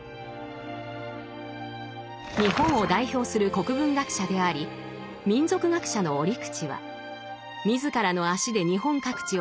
日本を代表する国文学者であり民俗学者の折口は自らの足で日本各地を巡り